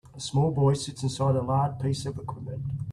A small boy sits inside a large piece of equipment.